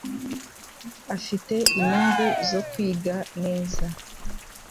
Afite inyungu zo kwiga neza.